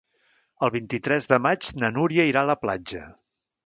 El vint-i-tres de maig na Núria irà a la platja.